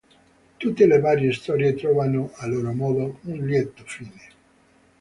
Tutte le varie storie trovano, a loro modo, un lieto fine.